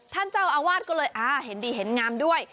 ท่านเจ้าอาวาสก็เลยอ่าเห็นดีเห็นงามด้วย